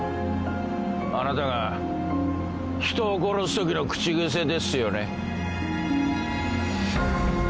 あなたが人を殺すときの口癖ですよね。